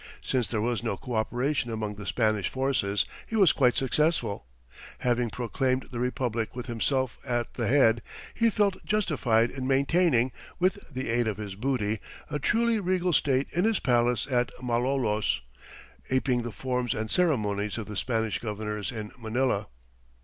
Since there was no coöperation among the Spanish forces, he was quite successful. Having proclaimed the republic with himself at the head, he felt justified in maintaining, with the aid of his booty, a truly regal state in his palace at Malolos, aping the forms and ceremonies of the Spanish governors in Manila.